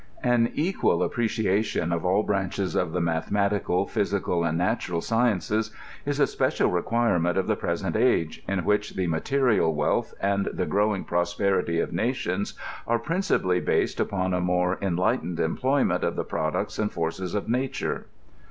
* An equal appreciation of all branches of the mathematical, physical, and natural sciences is a special requirement of the present age, in which the 'material wealth and the growing prosperity of nations are principally based upon a more en lightened employment of the products and forces of nature.